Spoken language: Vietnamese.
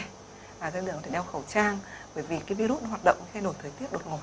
rồi đứa trẻ có thể đeo khẩu trang bởi vì cái virus nó hoạt động khi đổi thời tiết đột ngột